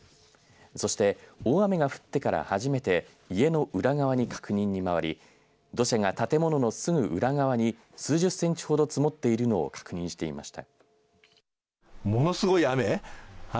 そして大雨が降ってから初めて家の裏側に確認に回り土砂が建物のすぐ裏側に数十センチほど積もっているのを確認していました。